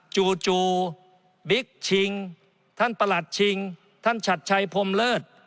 จู่บิ๊กชิงท่านประหลัดชิงท่านชัดชัยพรมเลิศ